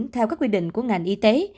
theo các quy định của ngành y tế